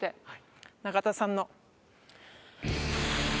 はい。